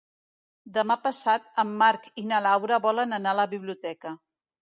Demà passat en Marc i na Laura volen anar a la biblioteca.